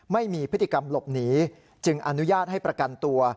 ไม่มีพฤติกรรมหลบหนีจึงอนุญาตให้ประกันตัว